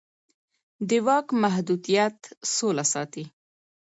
د واک محدودیت سوله ساتي